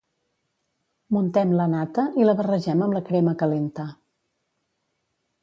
Muntem la nata i la barregem amb la crema calenta.